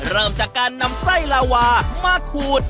เริ่มจากการนำไส้ลาวามาขูด